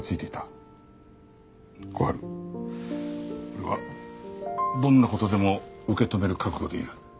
俺はどんな事でも受け止める覚悟でいる。